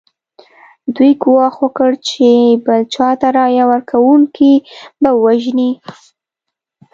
دوی ګواښ وکړ چې بل چا ته رایه ورکونکي به ووژني.